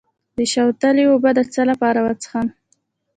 د شوتلې اوبه د څه لپاره وڅښم؟